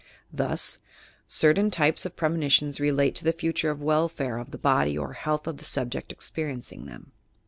Thus: certain types of premonitions relate to the future welfare of the body or health of the subject experiencing them.